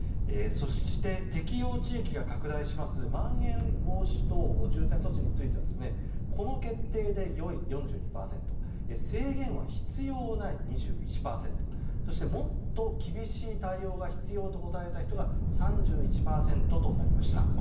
そして、適用地域が拡大しますまん延防止等重点措置についてはこの決定で良いが４２％制限は必要ないが２１％そしてもっと厳しい対応が必要と答えた人が３１％となりました。